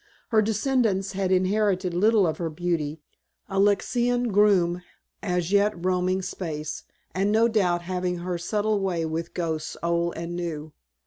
Her descendants had inherited little of her beauty (Alexina Groome as yet roaming space, and, no doubt, having her subtle way with ghosts old and new).